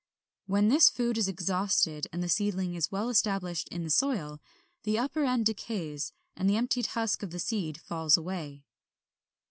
When this food is exhausted and the seedling is well established in the soil, the upper end decays and the emptied husk of the seed falls away.